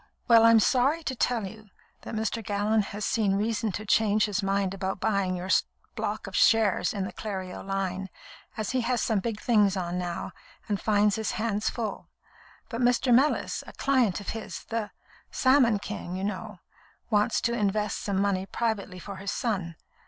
Well, I'm sorry to tell you that Mr. Gallon has seen reason to change his mind about buying your block of shares in the Clerio line, as he has some big things on now, and finds his hands full; but Mr. Mellis, a client of his 'the Salmon King,' you know wants to invest some money privately for his son.